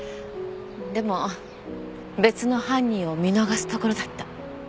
でも別の犯人を見逃すところだった。